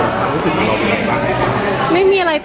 คุณรู้สึกกันแล้วมั้ยคะ